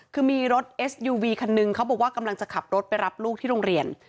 คือมีรถเอสยูวีคันนึงเขาบอกว่ากำลังจะขับรถไปรับลูกที่โรงเรียน